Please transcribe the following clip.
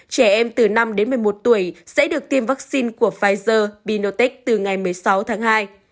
trẻ em từ năm đến một mươi một tuổi sẽ được tiêm vaccine của pfizer binotech từ ngày một mươi sáu tháng hai